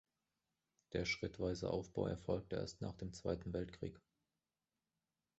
Der schrittweise Aufbau erfolgte erst nach dem Zweiten Weltkrieg.